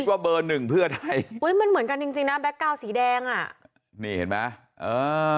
ว่าเบอร์หนึ่งเพื่อไทยอุ้ยมันเหมือนกันจริงจริงนะแก๊กกาวสีแดงอ่ะนี่เห็นไหมเออ